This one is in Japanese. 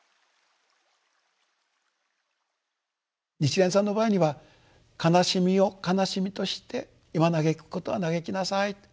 日蓮さんの場合には悲しみを悲しみとして今嘆くことは嘆きなさいと。